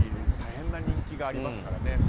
大変な人気がありますからね。